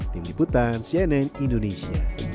tim liputan cnn indonesia